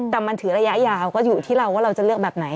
แต่มันถือระยะยาวก็อยู่ที่เราว่าเราจะเลือกแบบไหน